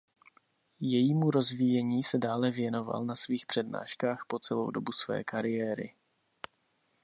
Jejímu rozvíjení se dále věnoval na svých přednáškách po celou dobu své kariéry.